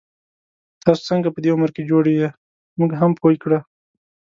تاسو څنګه په دی عمر کي جوړ يې، مونږ هم پوه کړه